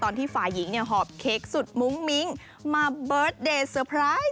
ฝ่ายหญิงเนี่ยหอบเค้กสุดมุ้งมิ้งมาเบิร์ตเดย์เซอร์ไพรส์